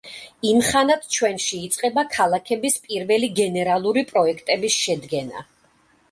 იმხანად ჩვენში იწყება ქალაქების პირველი გენერალური პროექტების შედგენა.